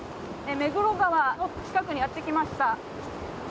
目黒川の近くにやってきました。